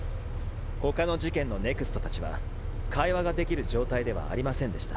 他の事件のＮＥＸＴたちは会話ができる状態ではありませんでした。